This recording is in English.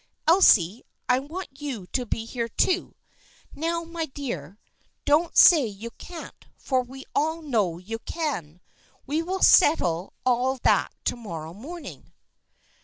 Elsie, I want you to be here too. Now, my dear, don't say you can't, for we know you can ! We will set tle all that to morrow morning."